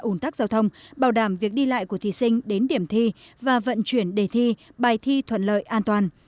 ủn tắc giao thông bảo đảm việc đi lại của thí sinh đến điểm thi và vận chuyển đề thi bài thi thuận lợi an toàn